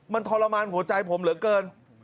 มันทรมานหัวใจผมเหลือเกิน